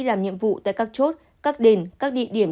làm nhiệm vụ tại các chốt các đền các địa điểm